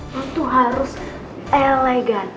lo tuh harus elegan